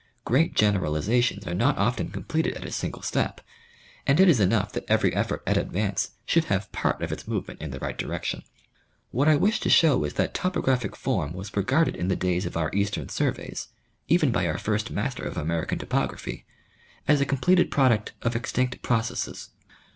Great generalizations are not often completed at a single step, and it is enough that every effort at advance should have part of its movement in the right direction. What I wish to show is that 'topographic form was regarded in the days of our eastern surveys, even by our first master of American topography, as a completed product of extinct processes.